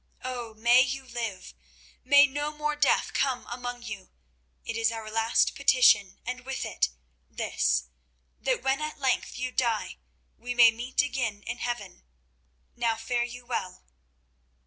Oh! may you live! May no more death come among you! It is our last petition, and with it, this—that when at length you die we may meet again in heaven! Now fare you well."